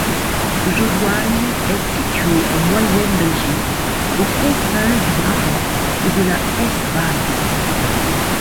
Jodoigne est située en Moyenne-Belgique, aux confins du Brabant et de la Hesbaye.